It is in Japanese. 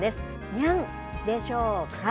にゃんでしょうか。